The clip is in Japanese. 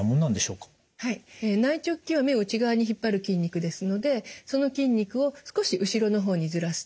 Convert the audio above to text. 内直筋は目を内側に引っ張る筋肉ですのでその筋肉を少し後ろの方にずらす。